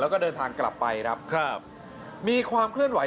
แล้วก็เดินทางกลับไปครับครับมีความเคลื่อนไหว